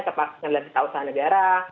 ke pemerintah usaha negara